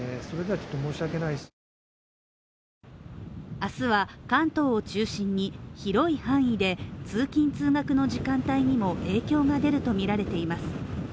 明日は関東を中心に広い範囲で通勤通学の時間帯にも影響が出るとみられています。